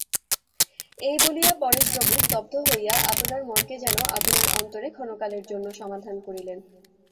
এই বলিয়া পরেশবাবু স্তব্ধ হইয়া আপনার মনকে যেন আপনার অন্তরে ক্ষণকালের জন্য সমাধান করিলেন।